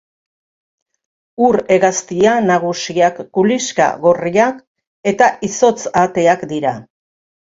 Ur-hegaztia nagusiak kuliska gorriak eta izotz-ahateak dira.